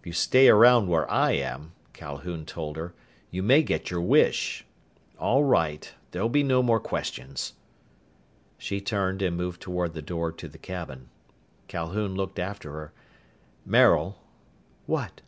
"If you stay around where I am," Calhoun told her, "you may get your wish. All right, there'll be no more questions." She turned and moved toward the door to the cabin. Calhoun looked after her. "Maril." "What?"